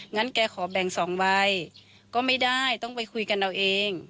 งั้นแกขอแบ่ง๒ใบก็ไม่ได้ต้องไปคุยกันเอาเอง